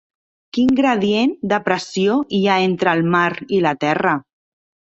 Quin gradient de pressió hi ha entre el mar i la terra?